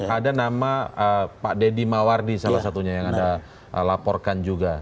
ada nama pak deddy mawardi salah satunya yang anda laporkan juga